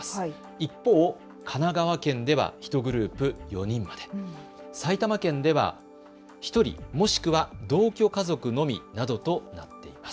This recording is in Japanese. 一方、神奈川県では１グループ４人まで、埼玉県では１人、もしくは同居家族のみなどとなっています。